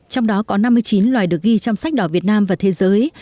trong đó có năm mươi chín loài được ghi trong sách đỏ việt nam và thế giới